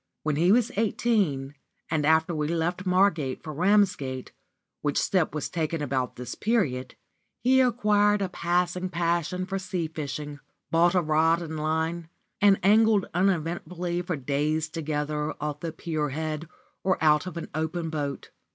When he was eighteen, and after we left Margate for Ramsgate, which step was taken about this period, he acquired a passing passion for sea fishing, bought a rod and line, and angled uneventfully for days together off the pier head or out of an open boat.